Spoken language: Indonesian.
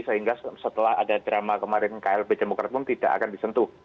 sehingga setelah ada drama kemarin klb demokrat pun tidak akan disentuh